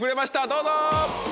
どうぞ！